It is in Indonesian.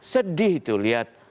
sedih tuh liat